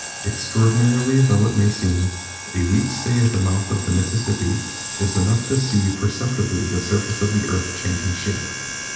Extraordinary tho it may seem, a week's stay at the mouth of the Mississippi is enough to see per ceptibly the surface of the Earth changing shape.